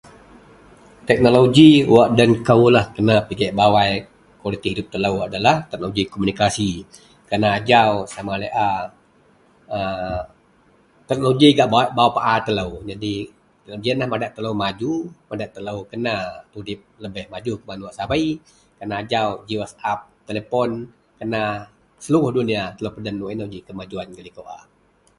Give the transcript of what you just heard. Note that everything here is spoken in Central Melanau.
Teknoloji wak den koulah kena pigek bawai kualiti idup telou adalah teknoloji komunikasi kerana ajau sama laei a aaa teknoloji gak bau paa telou. Jadi jiyenlah madak telou maju, madak telou kena mudip kena maju kuman wak sabei kerana ajau ji whatsapp, telipon kena seluruh duniya telou peden wak inou ji kemajuan gak likou a.